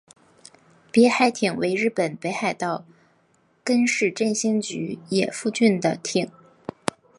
别海町为日本北海道根室振兴局野付郡的町。